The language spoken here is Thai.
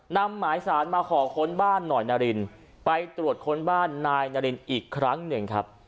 นำหมายสารมาขอค้นบ้านหน่อยนารินไปตรวจค้นบ้านนายนารินอีกครั้งหนึ่งครับ